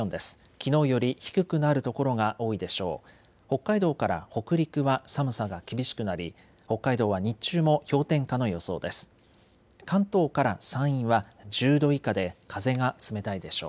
きのうより低くなる所が多いでしょう。